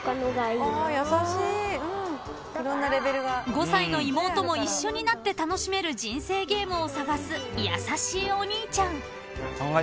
［５歳の妹も一緒になって楽しめる人生ゲームを探す優しいお兄ちゃん］